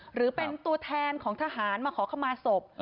หรือเป็นตัวแทนของทหารมาขอขมาศพ